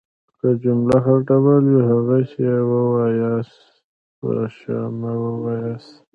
که جمله هر ډول وي هغسي يې وایاست. س په ش مه واياست.